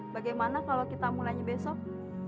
bagaimana kalau kita mulainya besok